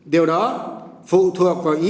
điều đó phụ thuộc vào ý chí